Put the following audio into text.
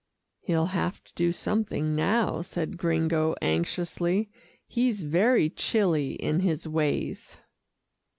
"He'll have to do something now," said Gringo anxiously. "He's very chilly in his ways."